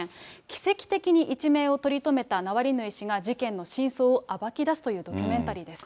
奇跡的に一命を取り留めたナワリヌイ氏が、事件の真相を暴き出すというドキュメンタリーです。